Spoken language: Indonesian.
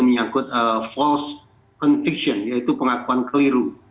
menyangkut false conviction yaitu pengakuan keliru